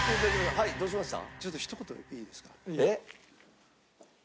はいどうしました？